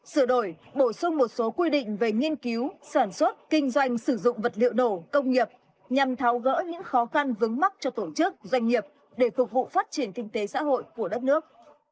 sửa đổi bổ sung một số quy định về nghiên cứu sản xuất kinh doanh sử dụng vật liệu nổ công nghiệp nhằm tháo gỡ những khó khăn vướng mắt cho tổ chức doanh nghiệp để phục vụ phát triển kinh tế xã hội của đất nước